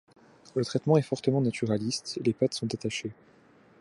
Le traitement est fortement naturaliste, les pattes sont attachées.